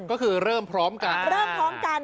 ก็คือเริ่มพร้อมกัน